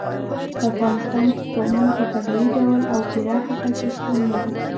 په افغانستان کې قومونه په طبیعي ډول او پراخه کچه شتون لري.